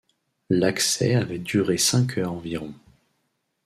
L’accès avait duré cinq heures environ.